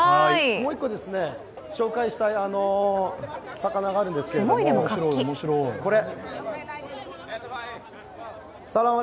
もう１個紹介したい魚があるんですけども、これ。